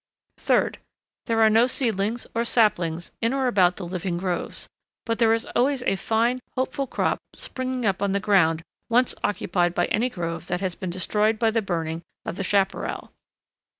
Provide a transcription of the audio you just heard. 3d. There are no seedlings or saplings in or about the living groves, but there is always a fine, hopeful crop springing up on the ground once occupied by any grove that has been destroyed by the burning of the chaparral.